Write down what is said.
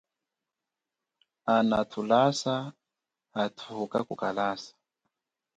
Ana thulasa hathuka kukalasa.